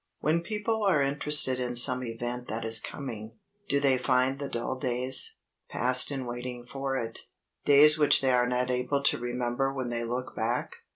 When people are interested in some event that is coming, do they find the dull days, passed in waiting for it, days which they are not able to remember when they look back?